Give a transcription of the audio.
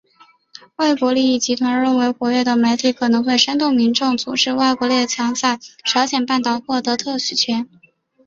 外国利益集团认为活跃的媒体可能会煽动民众阻止外国列强在朝鲜半岛获得特许权。